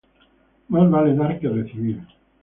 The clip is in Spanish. Mas vale dar que recibir.